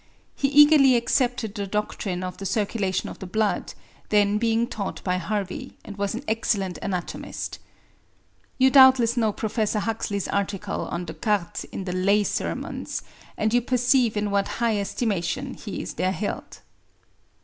He eagerly accepted the doctrine of the circulation of the blood, then being taught by Harvey, and was an excellent anatomist. You doubtless know Professor Huxley's article on Descartes in the Lay Sermons, and you perceive in what high estimation he is there held.